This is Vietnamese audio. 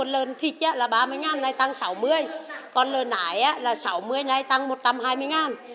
lợn thịt là ba mươi nay tăng sáu mươi còn lợn nải là sáu mươi nay tăng một trăm hai mươi